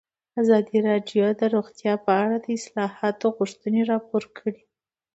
ازادي راډیو د روغتیا په اړه د اصلاحاتو غوښتنې راپور کړې.